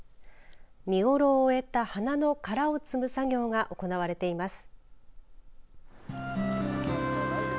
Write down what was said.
見頃を終えた花の殻を摘む作業が行われています。